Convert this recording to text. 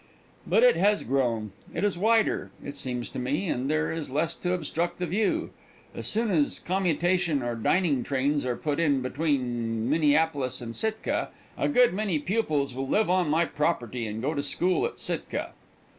But it has grown. It is wider, it seems to me, and there is less to obstruct the view. As soon as commutation or dining trains are put on between Minneapolis and Sitka, a good many pupils will live on my property and go to school at Sitka.